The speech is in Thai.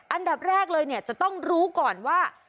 อันดับแรกเลยเนี่ยจะต้องรู้ก่อนว่า